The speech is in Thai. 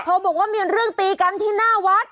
บอกว่ามีเรื่องตีกันที่หน้าวัด